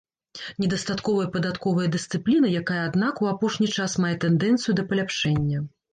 Недастатковая падатковая дысцыпліна, якая, аднак, у апошні час мае тэндэнцыю да паляпшэння.